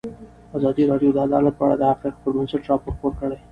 ازادي راډیو د عدالت په اړه د حقایقو پر بنسټ راپور خپور کړی.